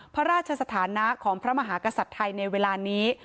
พระราชสถานะของพระมหากษัตริย์ไทยในเวลานี้